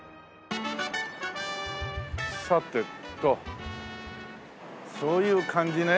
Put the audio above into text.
さてとそういう感じね。